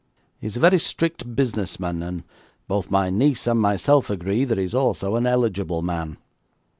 He is a very strict business man, and both my niece and myself agree that he is also an eligible man.